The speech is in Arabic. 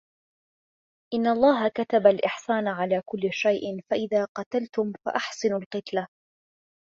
إِنَّ اللهَ كَتَبَ الإِحْسَانَ عَلَى كُلِّ شَيْءٍ، فَإِذَا قَتَلْتُمْ فَأَحْسِنُوا الْقِتْلَةَ